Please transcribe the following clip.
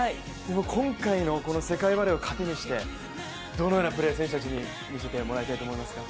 今回の世界バレーを糧にしてどのようなプレーを選手たちに見せてもらいたいですか。